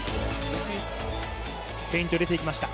フェイント入れてきました。